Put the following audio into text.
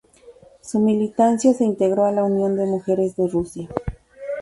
Su militancia se integró a la Unión de Mujeres de Rusia.